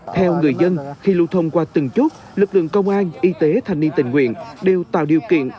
theo người dân khi lưu thông qua từng chút lực lượng công an y tế thành ni tình nguyện đều tạo điều kiện